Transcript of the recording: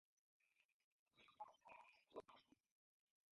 The main brand is Jupiler, the best selling beer in Belgium.